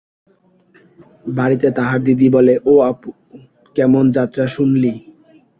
বাড়িতে তাহার দিদি বলে, ও অপু, কেমন যাত্রা শূনলি?